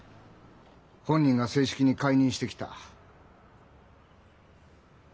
本人が正式に解任してきた。